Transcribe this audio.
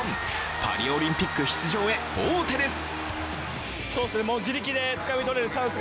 パリオリンピック出場へ王手です。